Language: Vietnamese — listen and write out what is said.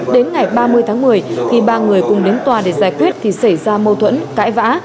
đến ngày ba mươi tháng một mươi khi ba người cùng đến tòa để giải quyết thì xảy ra mâu thuẫn cãi vã